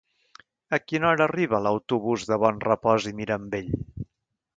A quina hora arriba l'autobús de Bonrepòs i Mirambell?